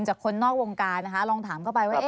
จากคนนอกวงการนะคะลองถามเข้าไปว่า